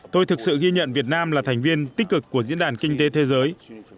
tôi thực sự ghi nhận việt nam là thành viên tích cực của diễn đàn kinh tế thế giới